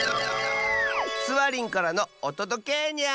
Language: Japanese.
スワリンからのおとどけニャ！